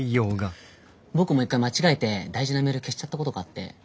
僕も一回間違えて大事なメール消しちゃったことがあって。